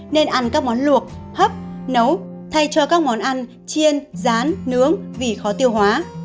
nên ăn các món luộc hấp nấu thay cho các món ăn chiên rán nướng vì khó tiêu hóa